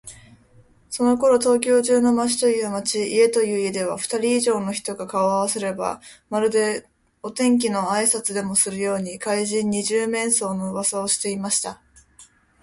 そのころ、東京中の町という町、家という家では、ふたり以上の人が顔をあわせさえすれば、まるでお天気のあいさつでもするように、怪人「二十面相」のうわさをしていました。